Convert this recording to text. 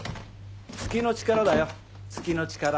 月の力だよ月の力。